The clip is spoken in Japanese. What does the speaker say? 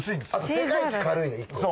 世界一軽いの１個が。